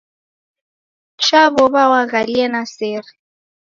Chaw'ow'a waghalie na sere.